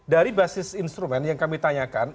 dari basis instrumen yang kami tanyakan